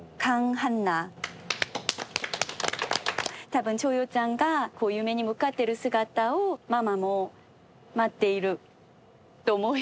たぶん趙洋ちゃんが夢に向かっている姿をマーマも待っていると思いますし。